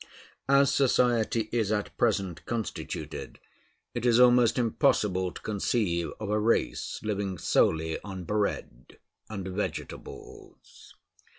As society is at present constituted, it is almost impossible to conceive of a race living solely on bread and vegetables.